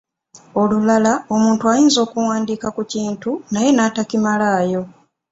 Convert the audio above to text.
Olulala omuntu ayinza okuwandiika ku kintu naye n'atakimalaayo.